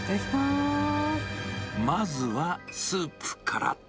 まずはスープから。